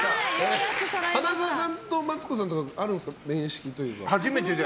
花澤さんとマツコさんはあるんですか面識というのは。